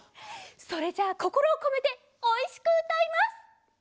それじゃあこころをこめておいしくうたいます！